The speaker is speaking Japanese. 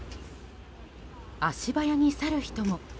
足早に去る人も。